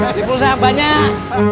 beli purusa banyak